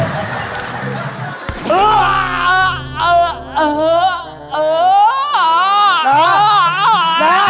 อืออืออืออืออืออืออือนะนะ